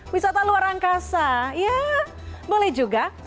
wisata luar angkasa ya boleh juga